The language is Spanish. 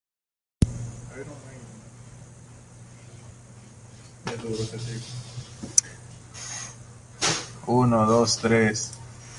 Fue dirigido y editado por Steve Harris, fundador y bajista de Iron Maiden.